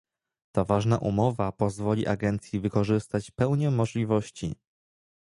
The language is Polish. Ta ważna umowa pozwoli Agencji wykorzystać pełnię możliwości